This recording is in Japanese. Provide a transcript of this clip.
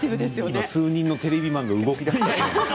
今、数人のテレビマンが動きだしましたよ。